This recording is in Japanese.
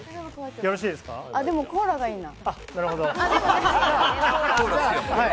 コーラがいいな。